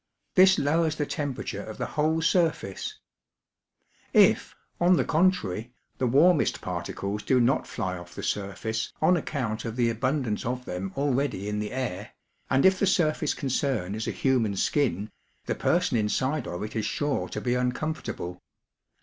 This lowers the temperature of the whole surface. If, on the contrary, the warmest particles do not fly off the surface on account of the abundance of them already in the air, and if the surface concerned is a human skin, the person inside of it is sure to be uncomfortable.